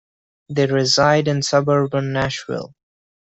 They reside in suburban Nashville.